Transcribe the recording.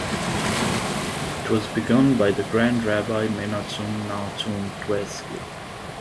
It was begun by the Grand Rabbi Menachum Nachum Twerski.